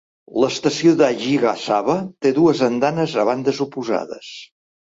L'estació d'Ajigasawa té dues andanes a bandes oposades.